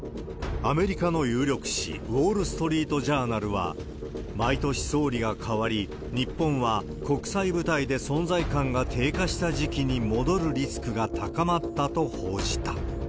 アメリカの有力紙、ウォール・ストリート・ジャーナルは、毎年総理が変わり、日本は国際舞台で存在感が低下した時期に戻るリスクが高まったと報じた。